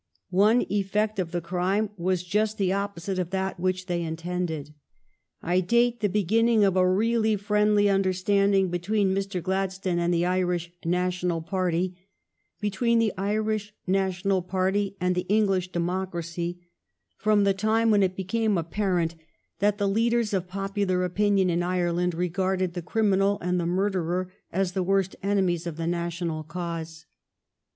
One effect of the crime was just the 1% ' t Lord Feedebick C\\ THE TWO SPHINXES, IRELAND AND EGYPT 347 opposite of that which they intended. I date the beginning of a really friendly understanding between Mr. Gladstone and the Irish National party, between the Irish National party and the English democracy, from the time when it became apparent that the leaders of popular opinion in Ireland regarded the criminal and the murderer as the worst enemies of the National cause.